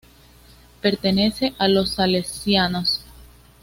Pertenece a los salesianos.